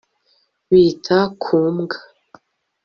bita ku mbwa